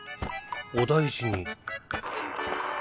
お大事に。